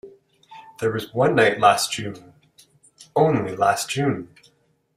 There was one night last June — only last June!